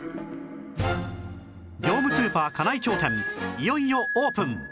業務スーパー金井町店いよいよオープン！